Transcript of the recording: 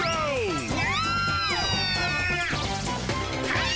はい！